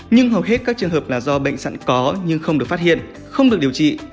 nhưng hầu hết các trường hợp là do bệnh sẵn có nhưng không được phát hiện không được điều trị